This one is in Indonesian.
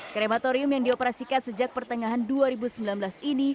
krematorium yang dioperasikan sejak pertengahan dua ribu sembilan belas ini